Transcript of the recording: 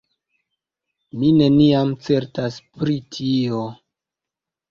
Mi neniam certas pri tio!